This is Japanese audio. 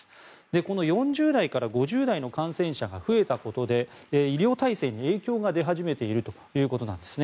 この４０代から５０代の感染者が増えたことで医療体制に影響が出始めているということです。